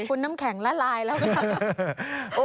คุณน้ำแข็งละลายแล้วก็